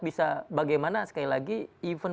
bisa bagaimana sekali lagi event